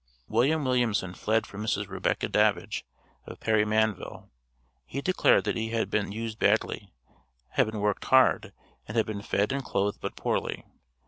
William Williamson fled from Mrs. Rebecca Davidge, of Perrymanville. He declared that he had been used badly had been worked hard and had been fed and clothed but poorly.